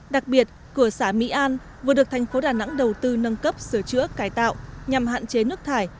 đặc biệt cửa xã mỹ an vừa được thành phố đà nẵng đầu tư nâng cấp sửa chữa cải tạo nhằm hạn chế nước thải